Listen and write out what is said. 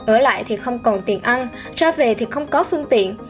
ở lại thì không còn tiền ăn ra về thì không có phương tiện